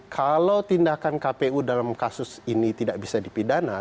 kalau tindakan kpu dalam kasus ini tidak bisa dipidana